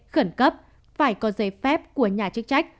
khẩn cấp phải có giấy phép của nhà chức trách